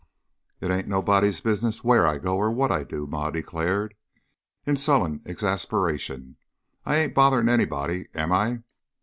"It ain't anybody's business where I go or what I do," Ma declared, in sullen exasperation. "I ain't bothering anybody, am I?"